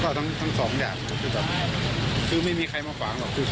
คือเห็นใครก็ยิงเลย